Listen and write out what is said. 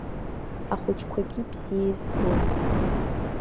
Ахәыҷқәагьы бзиа избоит.